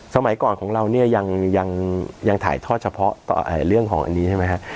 สมัยก่อนของเราเนี่ยยังถ่ายทอดเฉพาะเรื่องของอันนี้ใช่ไหมครับ